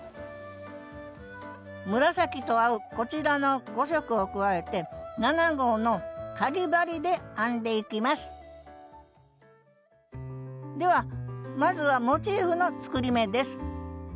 紫と合うこちらの５色を加えて７号のかぎ針で編んでいきますではまずはモチーフの作り目です